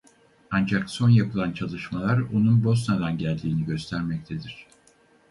Ancak son yapılan çalışmalar onun Bosna'dan geldiğini göstermektedir.